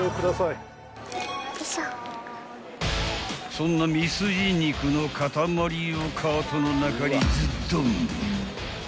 ［そんなミスジ肉の塊をカートの中にズドーン］